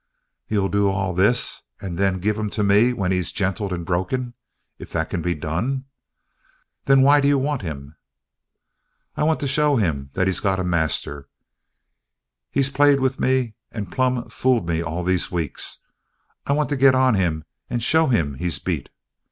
"You'll do all this and then give him to me when he's gentled and broken if that can be done? Then why do you want him?" "I want to show him that he's got a master. He's played with me and plumb fooled me all these weeks. I want to get on him and show him he's beat."